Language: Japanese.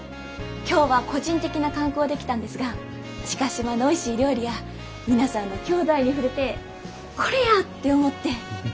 今日は個人的な観光で来たんですが知嘉島のおいしい料理や皆さんの郷土愛に触れてこれや！って思って。